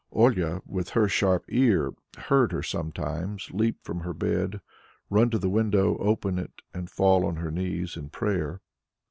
Olia, with her sharp ear, heard her sometimes leap from her bed, run to the window, open it and fall on her knees in prayer.